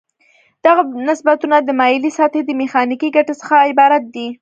دغه نسبتونه د مایلې سطحې د میخانیکي ګټې څخه عبارت دي.